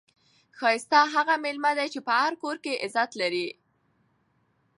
ښایسته هغه میلمه دئ، چي په هر کور کښي عزت ولري.